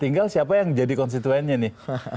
tinggal siapa yang jadi konstituennya nih